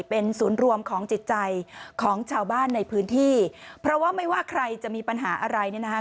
เป็นศูนย์รวมของจิตใจของชาวบ้านในพื้นที่เพราะว่าไม่ว่าใครจะมีปัญหาอะไรเนี่ยนะคะ